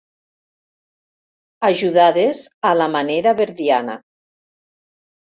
Ajudades a la manera verdiana.